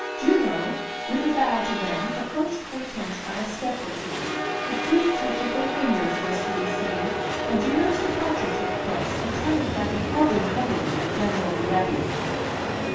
Juno, with a bow to them, approached Hortense by a step or two, a brief touch of their fingers was to be seen, and Juno's departure took place, attended by the heavy hovering of General Rieppe.